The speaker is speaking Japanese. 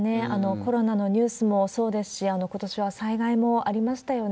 コロナのニュースもそうですし、ことしは災害もありましたよね。